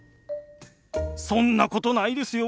そんなことないですよ。